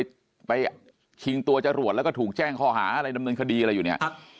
ไปชิงตัวจรวดแล้วก็ถูกแจ้งข้อหาอะไรดำเนินคดีอะไรอยู่เนี่ย